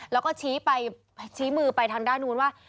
แล้วก็ชี้ไปชี้มือไปทางด้านนู้นว่า